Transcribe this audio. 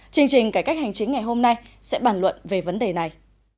chương trình cải cách hành chính ngày hôm nay sẽ bàn luận về vấn đề này